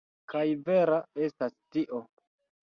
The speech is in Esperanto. Kaj vera estas tio.